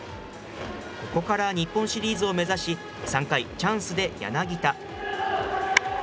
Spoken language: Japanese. ここから日本シリーズを目指し、３回、チャンスで柳田。